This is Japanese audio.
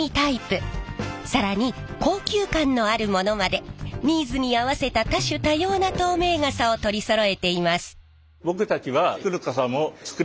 更に高級感のあるものまでニーズに合わせた多種多様な透明傘を取りそろえています！